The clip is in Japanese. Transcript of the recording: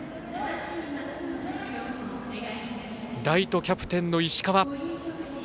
ライト、キャプテンの石川。